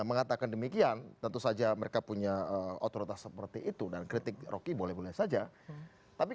mengatakan demikian tentu saja mereka punya otoritas seperti itu dan kritik roky boleh boleh saja tapi